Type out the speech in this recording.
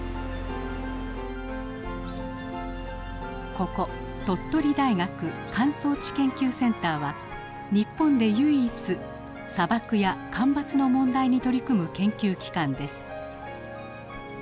ここ鳥取大学乾燥地研究センターは日本で唯一砂漠や干ばつの問題に取り組む研究機関です。